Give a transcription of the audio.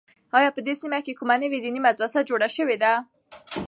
آیا په دې سیمه کې کومه نوې دیني مدرسه جوړه شوې ده؟